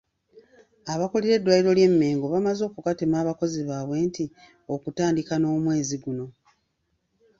Abakulira eddwaliro ly'e mengo bamaze okukatema abakozi baabwe nti okutandika n'omwezi guno.